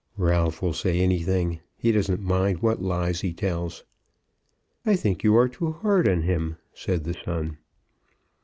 "Ralph will say anything. He doesn't mind what lies he tells." "I think you are too hard on him," said the son.